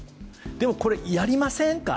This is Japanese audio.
でもこれやりませんか？